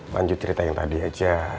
lanjut cerita yang tadi aja